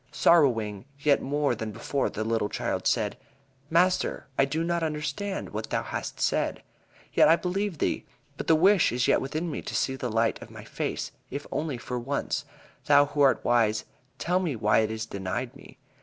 Sorrowing yet more than before the little child said: "Master, I do not understand what thou hast said, yet I believe thee; but the wish is yet within me to see the light of my face, if only for once. Thou who art wise, tell me why it is denied me."